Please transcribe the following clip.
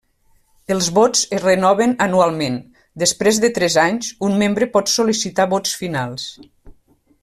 Els vots es renoven anualment; després de tres anys, un membre pot sol·licitar vots finals.